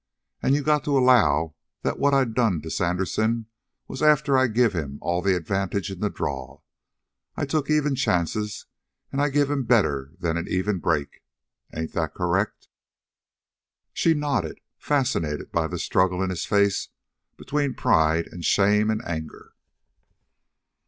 And you got to allow that what I done to Sandersen was after I give him all the advantage in the draw. I took even chances, and I give him better than an even break. Ain't that correct?" She nodded, fascinated by the struggle in his face between pride and shame and anger.